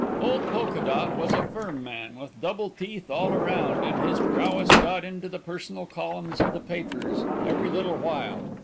Old Polka Dot was a firm man, with double teeth all around, and his prowess got into the personal columns of the papers every little while.